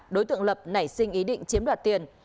đối tượng lập nảy sinh ý định chiếm đoạt tiền